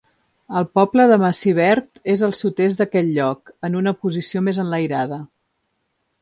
El poble de Massivert és al sud-est d'aquest lloc, en una posició més enlairada.